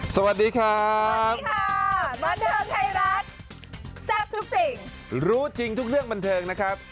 สวัสดีค่ะสวัสดีค่ะบันเทิงไทยรัฐแซ่บทุกสิ่งรู้จริงทุกเรื่องบันเทิงนะครับ